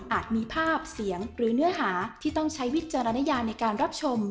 มีภาพเสียงหรือเนื้อหาที่ต้องใช้วิจารณญาในการรับชม